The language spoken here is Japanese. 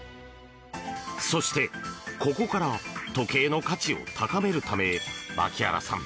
そして、ここから時計の価値を高めるため牧原さん